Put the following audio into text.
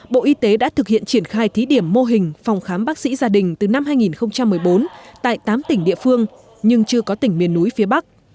bộ y tế đã thực hiện triển khai thí điểm mô hình phòng khám bác sĩ gia đình từ năm hai nghìn một mươi bốn tại tám tỉnh địa phương nhưng chưa có tỉnh miền núi phía bắc